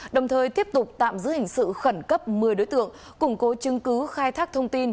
đồng thời tiếp tục tạm giữ hình sự khẩn cấp một mươi đối tượng củng cố chứng cứ khai thác thông tin